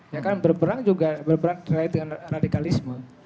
ya kan berperang juga berperang terkait dengan radikalisme